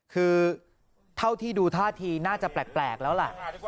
คือเท่าที่ดูท่าทีน่าจะแปลกแล้วล่ะ